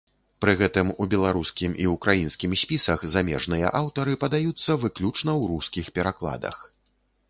Пры гэтым, у беларускім і ўкраінскім спісах замежныя аўтары падаюцца выключна ў рускіх перакладах.